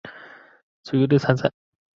他也代表冰岛国家足球队参赛。